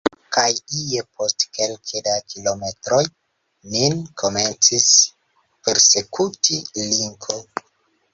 Kaj ie, post kelke da kilometroj, nin komencis persekuti linko.